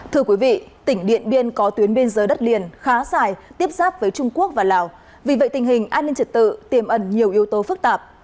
thưa quý vị tỉnh điện biên có tuyến biên giới đất liền khá dài tiếp giáp với trung quốc và lào vì vậy tình hình an ninh trật tự tiềm ẩn nhiều yếu tố phức tạp